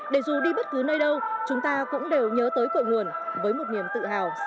để dù đi bất cứ nơi đâu chúng ta cũng đều nhớ tới cội nguồn với một niềm tự hào sâu sắc nhất